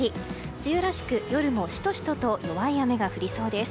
梅雨らしく、夜もシトシトと弱い雨が降りそうです。